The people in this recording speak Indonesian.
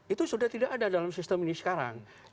itu sudah tidak ada dalam sistem ini sekarang